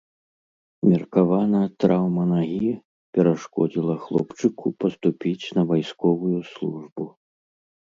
Меркавана, траўма нагі перашкодзіла хлопчыку паступіць на вайсковую службу.